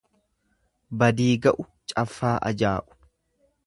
Badii ga'u caffaa ajaa'u.